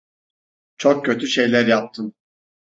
Çok kötü şeyler yaptım.